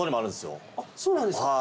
そうなんですか？